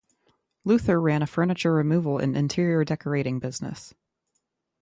Luther ran a furniture removal and interior decorating business.